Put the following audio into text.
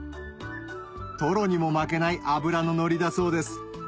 トロにも負けない脂の乗りだそうです